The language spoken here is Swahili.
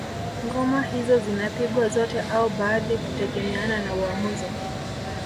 Ngoma hizo zinapigwa zote au baadhi kutegemeana na uamuzi